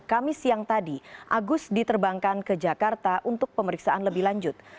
kamis siang tadi agus diterbangkan ke jakarta untuk pemeriksaan lebih lanjut